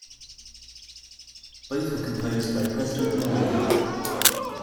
Both were composed by President Norlin.